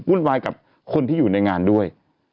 วุ่นวายกับคนที่อยู่ในงานด้วย